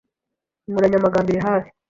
Inkoranyamagambo iri hafi.